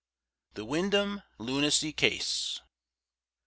THE WINDHAM LUNACY CASE.